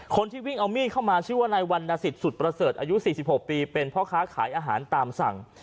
คนที่วิ่งเอามีดเข้ามาชื่อว่านายวรรณสิทธิสุดประเสริฐอายุ๔๖ปีเป็นพ่อค้าขายอาหารตามสั่ง